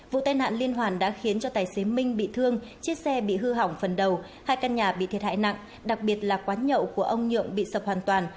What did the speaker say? vụ tai nạn liên hoàn đã khiến cho tài xế minh bị thương chiếc xe bị hư hỏng phần đầu hai căn nhà bị thiệt hại nặng đặc biệt là quán nhậu của ông nhượng bị sập hoàn toàn